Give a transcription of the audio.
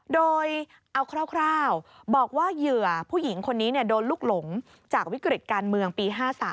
โดยเอาคร่าวบอกว่าเหยื่อผู้หญิงคนนี้โดนลูกหลงจากวิกฤตการเมืองปี๕๓